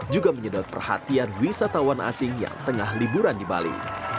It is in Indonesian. juga menyedot perhatian wisatawan asing yang tengah liburan di bali